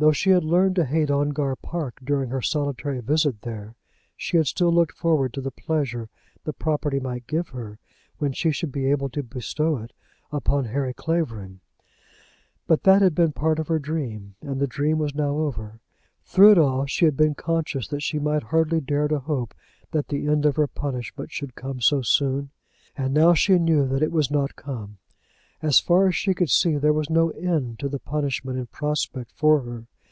Though she had learned to hate Ongar Park during her solitary visit there, she had still looked forward to the pleasure the property might give her, when she should be able to bestow it upon Harry Clavering. But that had been part of her dream, and the dream was now over. Through it all she had been conscious that she might hardly dare to hope that the end of her punishment should come so soon, and now she knew that it was not to come. As far as she could see, there was no end to the punishment in prospect for her.